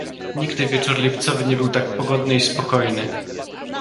"Nigdy wieczór lipcowy nie był tak pogodny i spokojny."